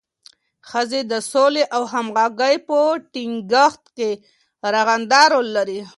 ښځې د سولې او همغږۍ په ټینګښت کې رغنده رول لري.